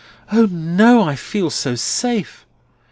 "O no, I feel so safe!"